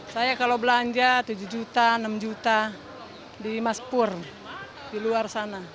saya kalau belanja tujuh juta enam juta di maspur di luar sana